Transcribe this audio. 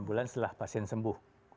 enam bulan setelah pasien sembuh